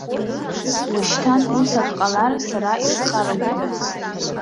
Уашьҭан ус ак ҟалар, сара исхароумтәын!